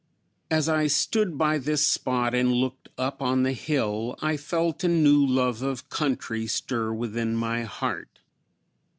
As I stood by this spot and looked up on the hill I felt a new love of country stir within my heart.